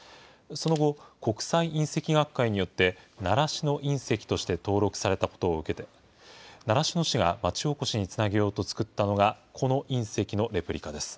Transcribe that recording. その後、国際隕石学会によって、習志野隕石として登録されたことを受け、習志野市が町おこしにつなげようと作ったのが、この隕石のレプリカです。